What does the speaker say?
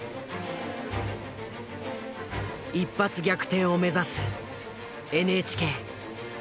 一発逆転を目指すＮＨＫ。